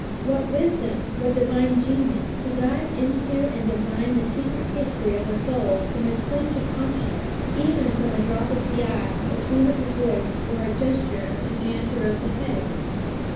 What wisdom, what divine genius, to dive into and divine the secret history of a soul from a twinge of conscience, even from a drop of the eye, a tone of the voice, or a gesture of the hand or of the head!